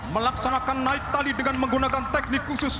melaksanakan naik tali dengan menggunakan teknik khusus